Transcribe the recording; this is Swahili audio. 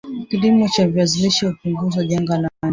Kilimo cha viazi lishe hupunguza janga la njaa